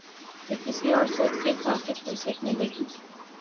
تو کسی اور سوچ کی خاک فرصت ملے گی۔